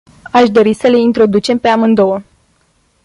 Am dori să le introducem pe amândouă.